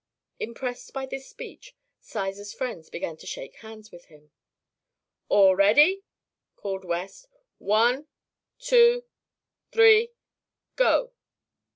Impressed by this speech, Sizer's friends began to shake hands with him. "All ready!" called West. "One two three go!"